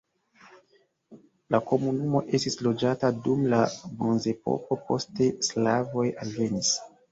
La komunumo estis loĝata dum la bronzepoko, poste slavoj alvenis.